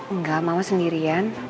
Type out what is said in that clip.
engga mama sendirian